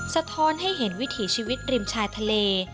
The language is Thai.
สะท้อนให้เห็นวิถีชีวิตริมชายทะเล